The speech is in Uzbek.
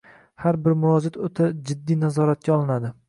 Har bir murojaat oʻta jiddiy nazoratga olinadi.